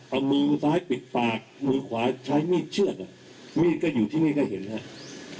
เอามือมือซ้ายปิดปากมือขวาใช้มีดเชือกมีดก็อยู่ที่นี่ก็เห็นแล้ว